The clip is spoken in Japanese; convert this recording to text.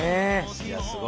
いやすごいです。